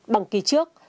bằng kỳ trước